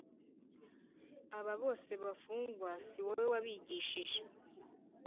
aba bose bafungwa Si wowe wabigishije